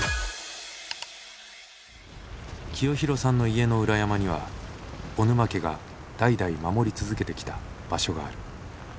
清弘さんの家の裏山には小沼家が代々守り続けてきた場所がある。